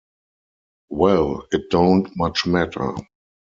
‘Well, it don’t much matter.